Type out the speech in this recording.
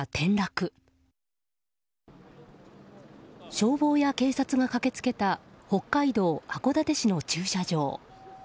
消防や警察が駆け付けた北海道函館市の駐車場。